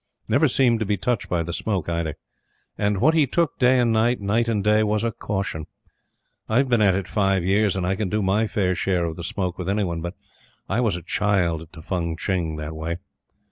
Never seemed to be touched by the Smoke, either; and what he took day and night, night and day, was a caution. I've been at it five years, and I can do my fair share of the Smoke with any one; but I was a child to Fung Tching that way.